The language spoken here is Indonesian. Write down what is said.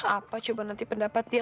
apa coba nanti pendapat dia